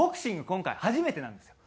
今回初めてなんですよ。